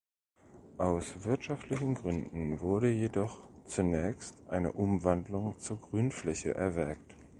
Aus wirtschaftlichen gründen wurde jedoch Zunächst eine Umwandlung zur Grünfläche erwägt.